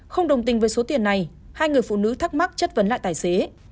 không đồng tình với số tiền này hai người phụ nữ thắc mắc chất vấn lại tài xế